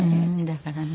だからね。